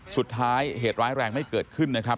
เหตุร้ายแรงไม่เกิดขึ้นนะครับ